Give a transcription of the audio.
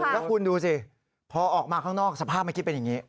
แล้วคุณดูสิพอออกมาข้างนอกสภาพเมื่อกี้เป็นอย่างนี้